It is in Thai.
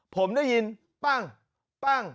ปั้งปั้ง